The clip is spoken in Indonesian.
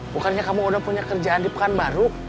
bukannya kamu udah punya kerjaan di pekanbaru